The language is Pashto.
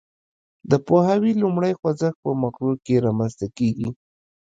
د پوهاوي لومړی خوځښت په مغزو کې رامنځته کیږي